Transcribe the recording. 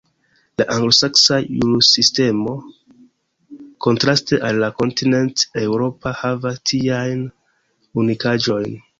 La anglosaksa jursistemo, kontraste al la kontinent-eŭropa, havas tiajn unikaĵojn.